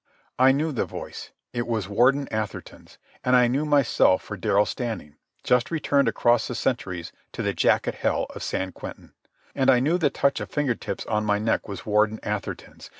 I knew the voice. It was Warden Atherton's. And I knew myself for Darrell Standing, just returned across the centuries to the jacket hell of San Quentin. And I knew the touch of finger tips on my neck was Warden Atherton's.